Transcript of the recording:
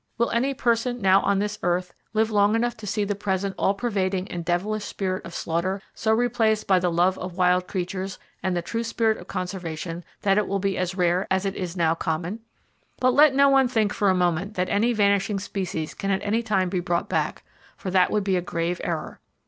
Will any person now on this earth live long enough to see the present all pervading and devilish spirit of slaughter so replaced by the love of wild creatures and the true spirit of conservation that it will be as rare as it now is common? But let no one think for a moment that any vanishing species can at any time be brought back; for that would be a grave error.